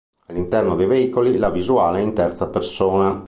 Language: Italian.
All'interno dei veicoli, la visuale è in terza persona.